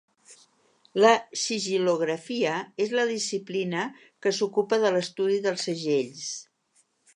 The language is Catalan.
La sigil·lografia és la disciplina que s'ocupa de l'estudi dels segells.